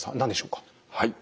はい。